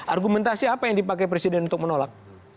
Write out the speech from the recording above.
argumentasi apa yang dipakai presiden untuk menolak